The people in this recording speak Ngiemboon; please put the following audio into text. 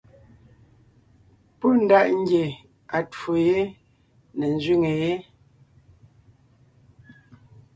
Pɔ́ ndaʼ ngie atwó yé ne ńzẅíŋe yé.